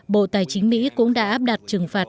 bộ tài chính mỹ cũng đã áp đặt trừng phạt